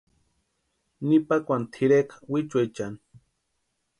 Ni pakwani tʼireka wichuuchani.